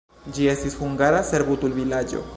Ĝi estis hungara servutulvilaĝo.